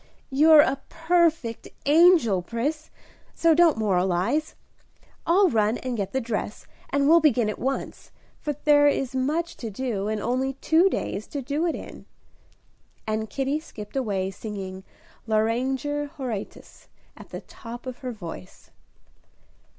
"You're a perfect angel, Pris; so don't moralize. I'll run and get the dress, and we'll begin at once, for there is much to do, and only two days to do it in." And Kitty skipped away, singing "Lauriger Horatius," at the top of her voice.